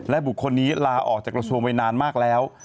บุคคลนี้ลาออกจากกระทรวงไปนานมากแล้ว